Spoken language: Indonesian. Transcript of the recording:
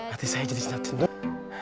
hati saya jadi senja cendut